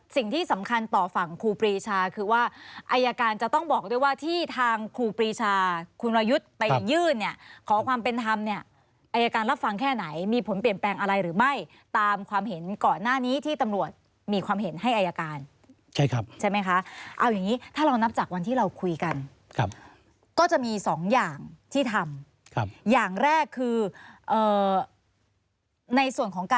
สิ่งที่สำคัญต่อฝั่งครูปรีชาคือว่าอายการจะต้องบอกด้วยว่าที่ทางครูปรีชาคุณวรยุทธ์ไปยื่นเนี่ยขอความเป็นธรรมเนี่ยอายการรับฟังแค่ไหนมีผลเปลี่ยนแปลงอะไรหรือไม่ตามความเห็นก่อนหน้านี้ที่ตำรวจมีความเห็นให้อายการใช่ครับใช่ไหมคะเอาอย่างนี้ถ้าเรานับจากวันที่เราคุยกันก็จะมีสองอย่างที่ทำอย่างแรกคือในส่วนของก